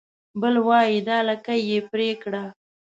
بل وای دا لکۍ يې پرې کړه